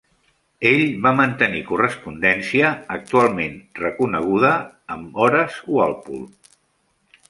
Ell va mantenir correspondència, actualment reconeguda, amb Horace Walpole.